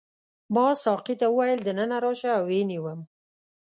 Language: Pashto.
ما ساقي ته وویل دننه راشه او ویې نیوم.